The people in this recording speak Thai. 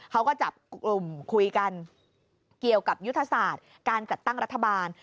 เขาก็จับกลุ่มคุยกันเกี่ยวกับยุทธศาสตร์การจัดตั้งรัฐบาล